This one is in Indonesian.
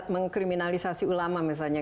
mengkriminalisasi ulama misalnya